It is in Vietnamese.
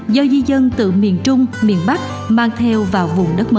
do di dân từ miền trung miền bắc mang theo vào vùng đất mới